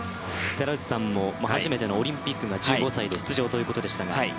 寺内さんも初めてのオリンピックが１５歳で出場ということでしたが。